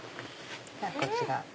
こちら茶